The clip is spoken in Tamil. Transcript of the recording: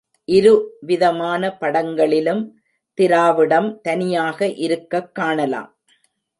இரு விதமான படங்களிலும், திராவிடம் தனியாக இருக்கக் காணலாம்.